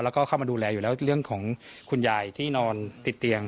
แล้วก็เข้ามาดูแลอยู่แล้วเรื่องของคุณยายที่นอนติดเตียง